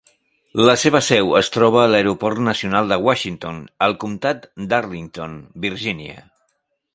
La seva seu es troba a l'aeroport nacional de Washington, al comptat d'Arlington, Virginia.